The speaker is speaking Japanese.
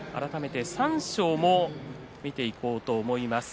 三賞も見ていこうと思います。